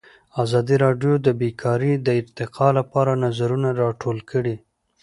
ازادي راډیو د بیکاري د ارتقا لپاره نظرونه راټول کړي.